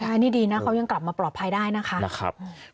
ใช่นี่ดีนะเขายังกลับมาปลอดภัยได้นะคะ